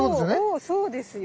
おそうですよ。